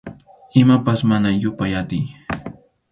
Imapas mana yupay atiy.